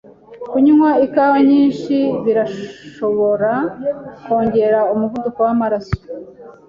Kunywa ikawa nyinshi birashobora kongera umuvuduko wamaraso.